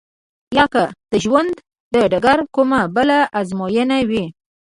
يا که د ژوند د ډګر کومه بله ازموينه وي.